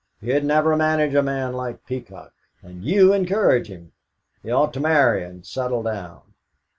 He'd never manage a man like Peacock and you encourage him! He ought to marry and settle down."